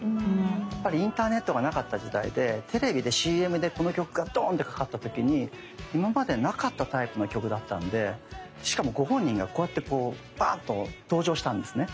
やっぱりインターネットがなかった時代でテレビでＣＭでこの曲がドンってかかった時に今までなかったタイプの曲だったんでしかもご本人がこうやってこうバンと登場したんですね。